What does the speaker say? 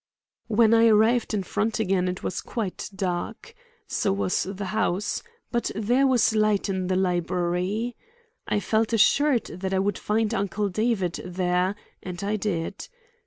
When I arrived in front again it was quite dark. So was the house; but there was light in the library. I felt assured that I should find Uncle David there, and I did.